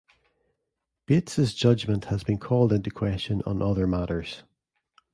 Bates's judgement has been called into question on other matters.